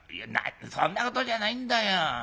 そんなことじゃないんだよ。